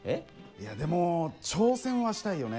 いやでも挑戦はしたいよね。